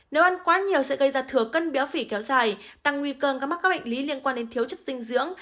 nếu ăn quá nhiều sẽ gây ra thừa cân béo phì kéo dài tăng nguy cơ các mắc các bệnh lý liên quan đến thiếu chất dinh dưỡng